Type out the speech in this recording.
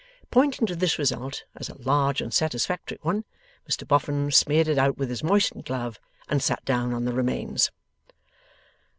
Pointing to this result as a large and satisfactory one, Mr Boffin smeared it out with his moistened glove, and sat down on the remains.